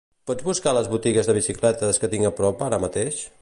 Pots buscar les botigues de bicicletes que tinc a prop ara mateix?